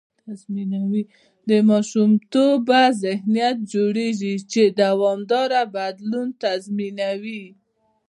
د ماشومتوبه ذهنیت جوړېږي، چې دوامداره بدلون تضمینوي.